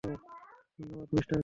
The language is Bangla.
ধন্যবাদ, মিস্টার কার্লাইল।